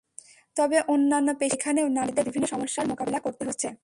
তবে অন্যান্য পেশার মতো এখানেও নারীদের বিভিন্ন সমস্যার মোকাবিলা করতে হচ্ছে।